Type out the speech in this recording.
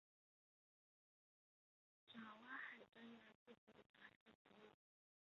爪哇海战役而进行的一场海上战役。